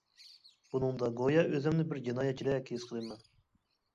بۇنىڭدا گويا ئۆزۈمنى بىر جىنايەتچىدەك ھېس قىلىمەن.